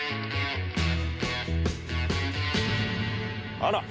あら！